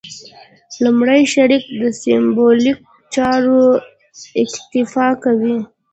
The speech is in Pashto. لومړي شرک سېمبولیکو چارو اکتفا کوي.